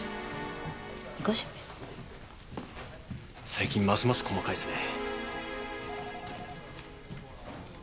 最近ますます細かいですね。